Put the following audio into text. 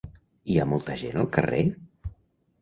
Hi ha molta gent al carrer?